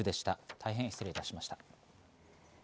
大変失礼いたしました。